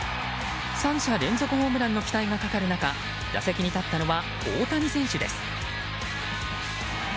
３者連続ホームランの期待がかかる中打席に立ったのは大谷選手です。